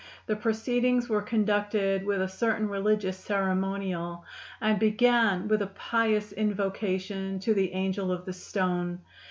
The proceedings were conducted with a certain religious ceremonial, and began with a pious invocation to the angel of the stone.